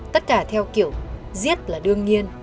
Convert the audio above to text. tất cả theo kiểu giết là đương nhiên